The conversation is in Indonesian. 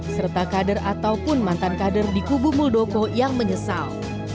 serta kader ataupun mantan kader di kubu muldoko yang menyesal